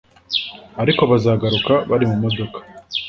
ariko bazagaruka bari mu modoka